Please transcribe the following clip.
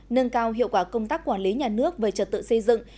nâng cao hiệu quả công tác quản lý nhà nước về trật tự xây dựng